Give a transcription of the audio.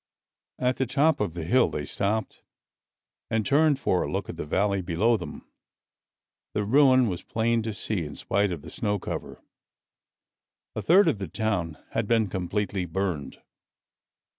At the top of the hill they stopped and turned for a look at the valley below them. The ruin was plain to see in spite of the snow cover. A third of the town had been completely burned.